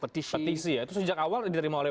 petisi petisi ya itu sejak awal diterima oleh